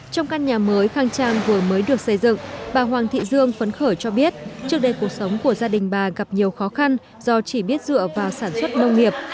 trong căn nhà mới khang trang vừa mới được xây dựng bà hoàng thị dương phấn khởi cho biết trước đây cuộc sống của gia đình bà gặp nhiều khó khăn do chỉ biết dựa vào sản xuất nông nghiệp